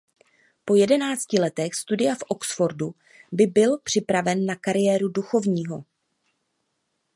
Po jedenácti letech studia v Oxfordu by byl připraven na kariéru duchovního.